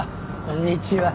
こんにちは。